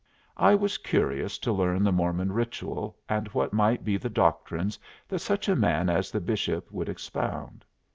I was curious to learn the Mormon ritual and what might be the doctrines that such a man as the Bishop would expound.